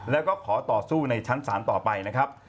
แล้วก็ขอต่อสู้ในชั้นศาลต่อไปนะครับ